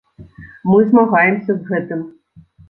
Мы змагаемся з гэтым.